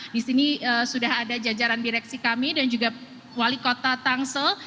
di sini sudah ada jajaran direksi kami dan juga wali kota tangsel